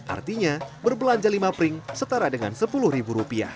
artinya berbelanja lima pring setara dengan rp sepuluh